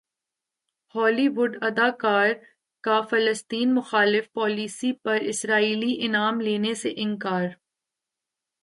ہالی وڈ اداکارہ کا فلسطین مخالف پالیسی پر اسرائیلی انعام لینے سے انکار